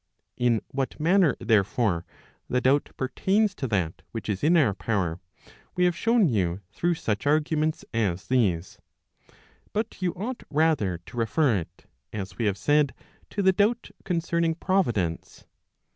In what manner, therefore, the doubt pertains to that which is in our power, we have shown you through such arguments as these. But you ought rather to refer it, as we have said, to the doubt concerning Providence.